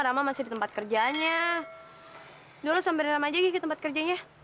sampai jumpa di video selanjutnya